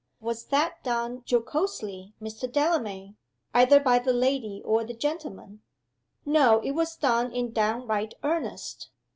Was that done jocosely, Mr. Delamayn either by the lady or the gentleman?" "No. It was done in downright earnest."